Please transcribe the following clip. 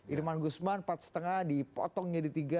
irman guzman empat lima dipotong jadi tiga